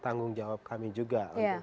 tanggung jawab kami juga